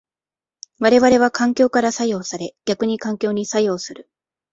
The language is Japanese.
我々は環境から作用され逆に環境に作用する。